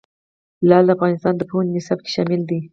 لعل د افغانستان د پوهنې نصاب کې شامل دي.